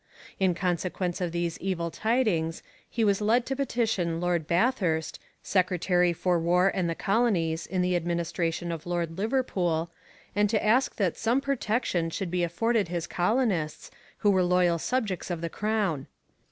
In consequence of these evil tidings he was led to petition Lord Bathurst, secretary for War and the Colonies in the administration of Lord Liverpool, and to ask that some protection should be afforded his colonists, who were loyal subjects of the crown.